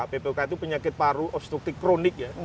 ppok itu penyakit paru obstruktif kronik ya